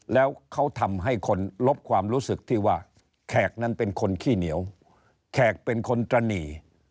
แล้วเขาทำให้คนลบความรู้สึกที่ว่าแขกนั้นเป็นคนขี้เหนียวแขกเป็นคนตระหนี